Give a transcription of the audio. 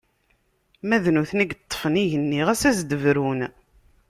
Ma d nutni i yeṭṭfen igenni, ɣas ad s-d-brun!